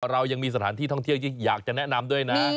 เรายังมีสถานที่ท่องเที่ยวที่อยากจะแนะนำด้วยนะ